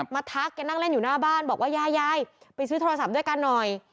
ทักแกนั่งเล่นอยู่หน้าบ้านบอกว่ายายยายไปซื้อโทรศัพท์ด้วยกันหน่อย